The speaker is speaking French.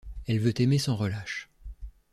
Elle veut aimer sans relâche.